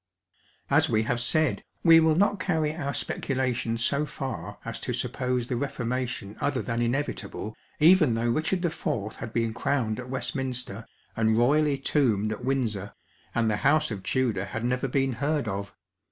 At we have said, we will not curry our speculation so far as to »»ppo *te the Reformation other than inevitable, even though Kicburd IV, bad been crowned at Westminster, and royally tombed at Windsor, and the House of Tudor had never been heard of.